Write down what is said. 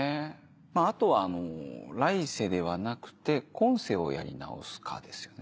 まぁあとはあの来世ではなくて今世をやり直すかですよね。